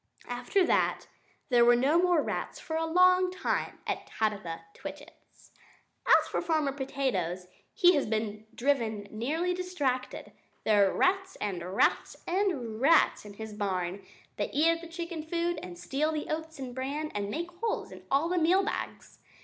After that, there were no more rats for a long time at Tabitha Twitchit's. As for Farmer Potatoes, he has been driven nearly distracted. There are rats, and rats, and rats in his barn! They eat up the chicken food, and steal the oats and bran, and make holes in the meal bags.